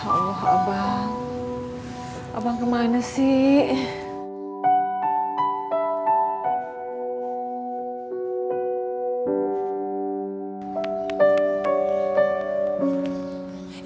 ya allah abang abang kemana sih